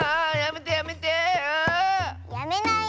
やめないよだ。